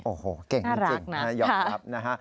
โอ้โหเก่งจริงนะยอมครับนะฮะน่ารักนะค่ะ